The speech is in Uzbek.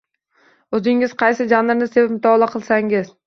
O’zingiz qaysi janrni sevib mutoala qilsangiz